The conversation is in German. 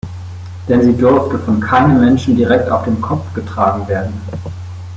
Denn sie durfte von keinem Menschen direkt auf dem Kopf getragen werden.